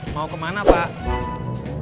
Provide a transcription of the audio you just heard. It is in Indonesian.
mau kemana pak